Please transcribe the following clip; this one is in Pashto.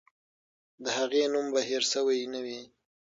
د هغې نوم به هېر سوی نه وي.